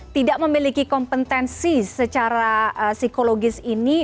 tidak memiliki kompetensi secara psikologis ini